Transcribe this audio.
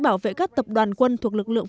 bảo vệ các tập đoàn quân thuộc lực lượng